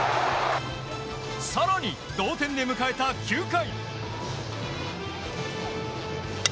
更に、同点で迎えた９回。